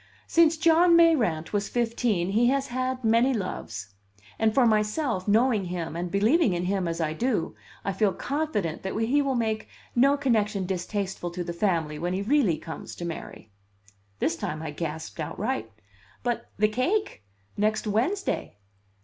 "Since John Mayrant was fifteen he has had many loves; and for myself, knowing him and believing in him as I do, I feel confident that he will make no connection distasteful to the family when he really comes to marry." This time I gasped outright. "But the cake! next Wednesday!"